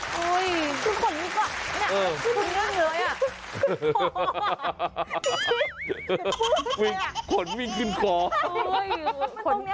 คุณขนมิดกว่าคุณเหนือเหนืออ่ะขนข้อ